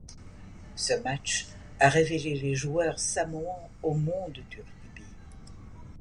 Ce match a révélé les joueurs samoans au monde du rugby.